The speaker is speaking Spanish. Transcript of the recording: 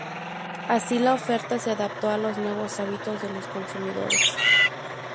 Así la oferta se adaptó a los nuevos hábitos de los consumidores.